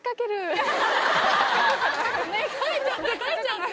ねっ書いちゃって書いちゃって。